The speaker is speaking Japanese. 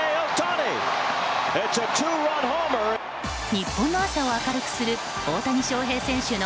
日本の朝を明るくする大谷翔平選手の